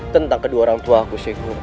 tentang kedua orangtuaku